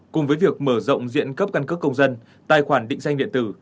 cùng với việc mở rộng diện cấp căn cước công dân tài khoản định danh điện tử